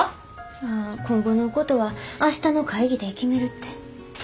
ああ今後のことは明日の会議で決めるって。